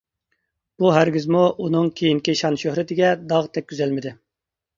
بۇ ھەرگىزمۇ ئۇنىڭ كېيىنكى شان-شۆھرىتىگە داغ تەگكۈزەلمىدى.